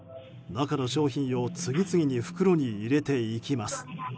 中の商品を次々と袋に入れていきます。